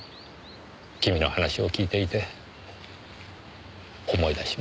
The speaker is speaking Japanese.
君の話を聞いていて思い出しました。